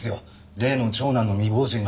例の長男の未亡人が。